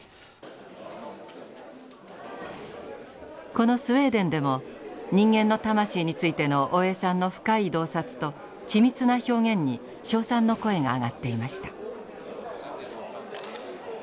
このスウェーデンでも人間の魂についての大江さんの深い洞察と緻密な表現に称賛の声が上がっていました。